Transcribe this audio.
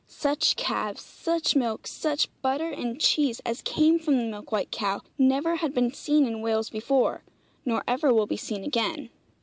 Such calves, such milk, such butter and cheese, as came from the milk white cow never had been seen in Wales before, nor ever will be seen again.